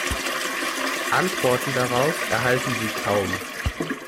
Antworten darauf erhalten sie kaum.